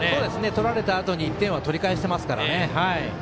取られたあとに１点は取り返してますからね。